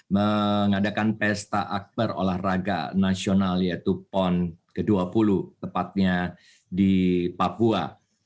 mengadakan pesta akbar olahraga nasional yaitu pon ke dua puluh tepatnya di papua